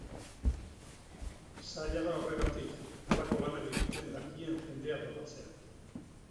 Zaila da horregatik, halako lanak egiten dakien jendea topatzea.